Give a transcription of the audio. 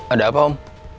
ada apa om